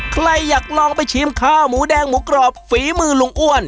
ใครอยากลองไปชิมข้าวหมูแดงหมูกรอบฝีมือลุงอ้วน